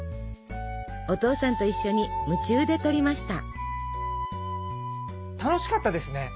お父さんと一緒に夢中で採りました。